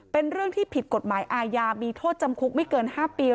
เป็นเรื่องที่ผิดกฎหมายอาญามีโทษจำคุกไม่เกิน๕ปี